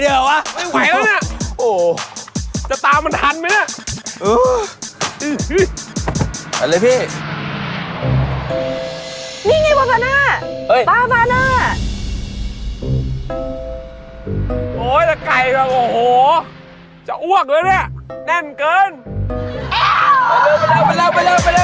โอเคครับเชี่ยวผมครับ